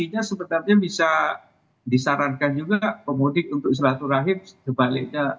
artinya sebenarnya bisa disarankan juga pemudik untuk istirahat turaim kebaliknya